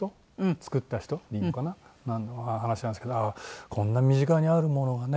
作った人でいいのかな？の話なんですけどこんな身近にあるものがね